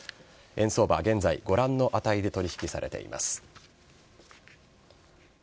円相場は現在、ご覧の値で取り引きされています。